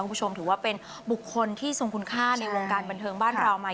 คุณผู้ชมถือว่าเป็นบุคคลที่ทรงคุณค่าในวงการบันเทิงบ้านเรามา